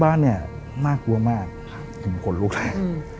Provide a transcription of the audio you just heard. บ้านเนี่ยน่ากลัวมากถึงขนลุกแรง